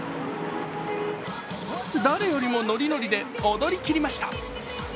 誰よりもノリノリで踊りきりました。